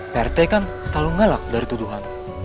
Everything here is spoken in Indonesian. pak rt kan selalu ngelak dari tuduhan